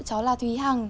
cháu là thùy hằng